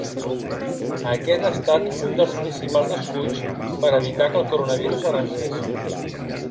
Aquest ha estat un dels principals esculls per a evitar que el coronavirus arrasés.